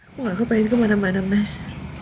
aku gak kepengen kemana mana mas